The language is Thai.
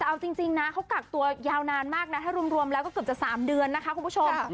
แต่เอาจริงนะเขากักตัวยาวนานมากนะถ้ารวมแล้วก็เกือบจะ๓เดือนนะคะคุณผู้ชม